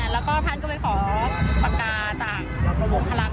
แล้วก็ท่านก็ไปขอปากกาจากประบวกฮารัง